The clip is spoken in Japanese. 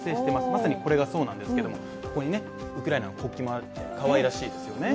まさにこれがそうなんですけどここにウクライナの国旗もあってかわいらしいですよね。